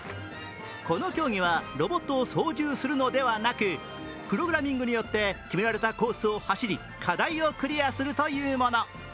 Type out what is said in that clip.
この競技はロボットを操縦するのではなく、プログラミングによって決められたコースを走り課題をクリアするというもの。